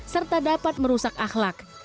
serta dapat merusak akhlak